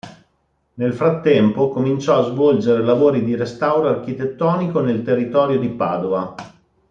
Nel frattempo cominciò a svolgere lavori di restauro architettonico nel territorio di Padova.